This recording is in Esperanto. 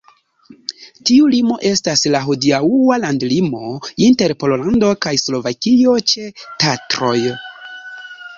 Tiu limo estas la hodiaŭa landlimo inter Pollando kaj Slovakio ĉe Tatroj.